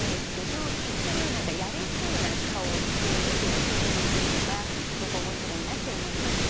それを何か「やれそうな顔をしている」という表現にしてるのがすごく面白いなって思いました。